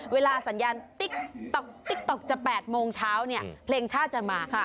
เวลาสัญญาณติ๊กต๊อกจะ๘โมงเช้าเนี่ยเพลงชาติจะมา